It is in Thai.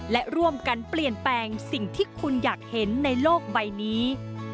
และร่วมกันเปลี่ยนแปลงสิ่งที่คุณอยากเห็นในโลกใบนี้